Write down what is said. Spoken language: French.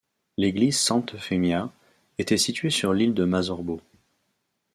L'église Sant'Eufemia était située sur l'île de Mazzorbo.